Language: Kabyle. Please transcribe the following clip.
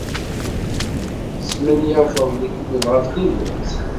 Tesmenyafeḍ lekdeb ɣef tidet.